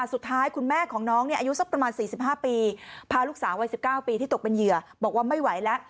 สุดท้ายคุณแม่ของน้องเนี่ยอายุสักประมาณสี่สิบห้าปีพาลูกสาววัยสิบเก้าปีที่ตกเป็นเหยื่อบอกว่าไม่ไหวละ